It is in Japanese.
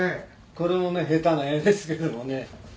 「これもね下手な絵ですけどもね